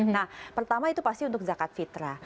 nah pertama itu pasti untuk zakat fitrah